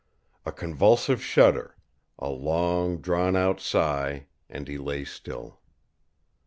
A convulsive shudder a long drawn out sigh and he lay still.